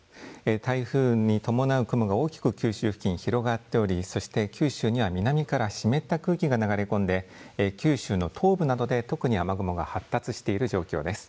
台風に伴う雲が大きく九州付近広がっておりそして九州には南から湿った空気が流れ込んで九州の東部などで特に雨雲が発達している状況です。